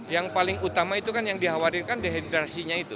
yang paling utama itu kan yang dikhawatirkan dehidrasinya itu